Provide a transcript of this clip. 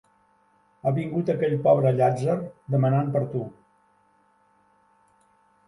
Ha vingut aquell pobre llàtzer demanant per tu.